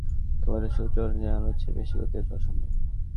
আপেক্ষিকতার সূত্র অনুযায়ী আলোর চেয়ে বেশি গতি অসম্ভব।